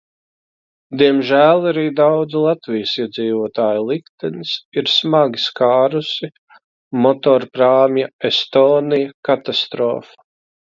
"Diemžēl arī daudzu Latvijas iedzīvotāju likteni ir smagi skārusi motorprāmja "Estonia" katastrofa."